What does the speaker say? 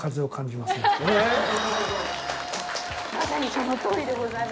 まさにそのとおりでございます。